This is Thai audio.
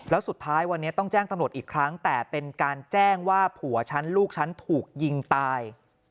แล้วสุดท้ายวันนี้ต้องแจ้งตำรวจอีกครั้งแต่เป็นการแจ้งว่าผัวฉันลูกฉันถูกยิงตาย